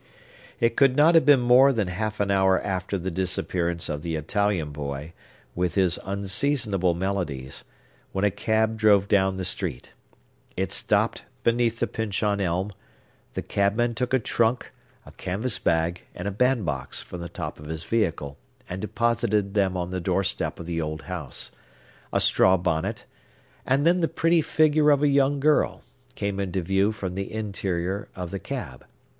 It could not have been more than half an hour after the disappearance of the Italian boy, with his unseasonable melodies, when a cab drove down the street. It stopped beneath the Pyncheon Elm; the cabman took a trunk, a canvas bag, and a bandbox, from the top of his vehicle, and deposited them on the doorstep of the old house; a straw bonnet, and then the pretty figure of a young girl, came into view from the interior of the cab.